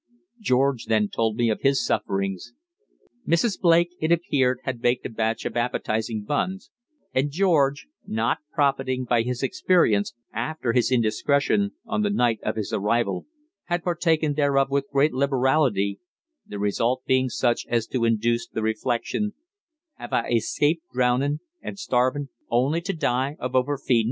George then told me of his sufferings. Mrs. Blake, it appeared, had baked a batch of appetising buns, and George, not profiting by his experience after his indiscretion on the night of his arrival, had partaken thereof with great liberality, the result being such as to induce the reflection, "Have I escaped drownin' and starvin' only to die of over feedin'?"